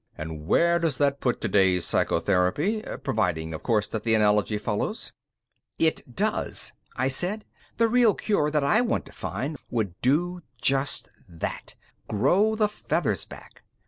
And where does that put today's psychotherapy? Providing, of course, that the analogy follows." "It does," I said. "The real cure that I want to find would do just that 'grow the feathers back'.